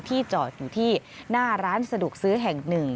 จอดอยู่ที่หน้าร้านสะดวกซื้อแห่งหนึ่ง